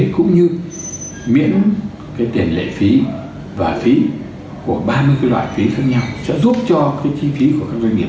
cũng như miễn tiền lệ phí và phí của ba mươi loại phí khác nhau sẽ giúp cho chi phí của các doanh nghiệp